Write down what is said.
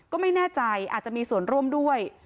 ก็ไม่แน่ใจอาจจะมีส่วนร่วมด้วย